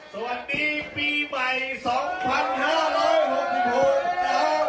สวัสดีปีใหม่สองพันห้าร้อยหกสิบหก